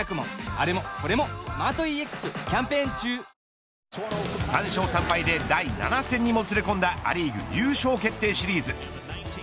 帰れば「金麦」３勝３敗で第７戦にもつれ込んだア・リーグ優勝決定シリーズ。